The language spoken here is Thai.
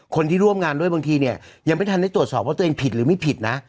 คนที่ร่วมงานด้วยบางทีเนี่ยยังไม่ทันได้ตรวจสอบว่าตัวเองผิดหรือไม่ผิดนะ